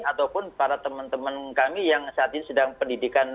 ataupun para teman teman kami yang saat ini sedang pendidikan